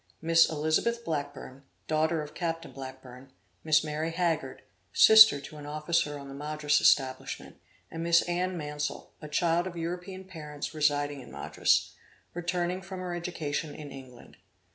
Miss Elizabeth Blackburne, daughter of Captain Blackburne; Miss Mary Haggard, sister to an officer on the Madras establishment, and Miss Anne Mansel, a child of European parents residing in Madras, returning from her education in England.